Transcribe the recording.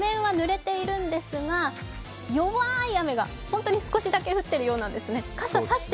路面はぬれているんですが、弱い雨が本当に少しだけ降っているようなんですね。